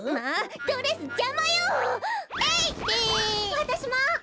わたしも！